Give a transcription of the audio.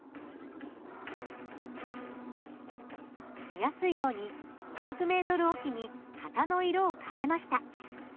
見やすいように２００ｍ置きに旗の色を変えました。